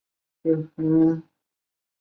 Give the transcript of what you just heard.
町域北边有东武铁道通过。